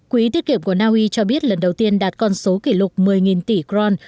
quỹ tiết kiệm của naui cho biết lần đầu tiên đạt con số kỷ lục một mươi tỷ kron